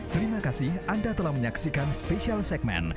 terima kasih anda telah menyaksikan special segmen